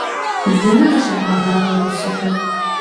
Дэнэ къыщыбгъэнар уи гъусэхэр?